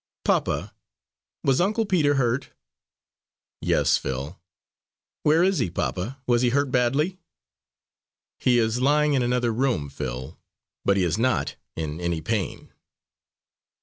"Papa, was Uncle Peter hurt?" "Yes, Phil." "Where is he, papa? Was he hurt badly?" "He is lying in another room, Phil, but he is not in any pain."